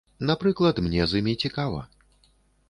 Напрыклад, мне з імі цікава.